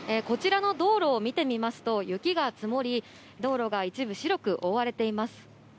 こちらの道路を見てみますと、雪が積もり、道路が一部、白く覆われています。